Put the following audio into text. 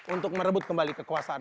untuk merebut kembali kekuasaan